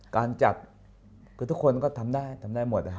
การจัดคือทุกคนก็ทำได้ทำได้หมด